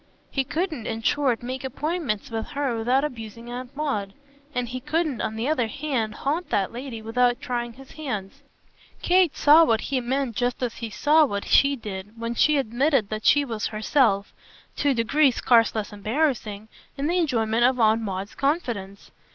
He couldn't in short make appointments with her without abusing Aunt Maud, and he couldn't on the other hand haunt that lady without tying his hands. Kate saw what he meant just as he saw what she did when she admitted that she was herself, to a degree scarce less embarrassing, in the enjoyment of Aunt Maud's confidence.